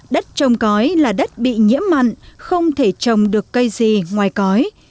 đất trồng cõi là đất bị nhiễm mặn không thể trồng được cây gì ngoài cõi